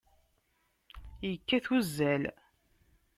Yekkat uzal.